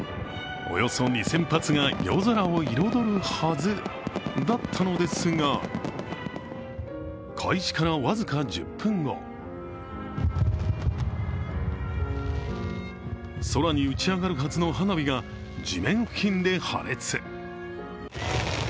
およそ２０００発が夜空を彩るはずだったのですが、開始から僅か１０分後空に打ち上がるはずの花火が地面付近で破裂。